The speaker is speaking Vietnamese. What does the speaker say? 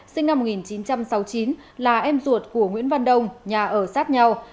sinh năm một nghìn chín trăm sáu mươi chín là em ruột của nguyễn văn đông nhà ở sát nhau